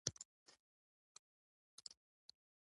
د حوصلې او متانت نمونه به یې اختیار کړه.